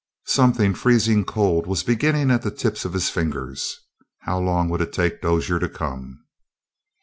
Something freezing cold was beginning at the tips of his fingers. How long would it take Dozier to come?